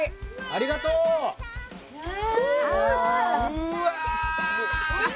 ありがとう。ああ。